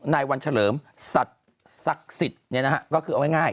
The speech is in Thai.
นายวันเฉลิมสัตว์ศักดิ์สิทธิ์ก็คือเอาง่าย